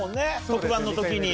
特番の時に。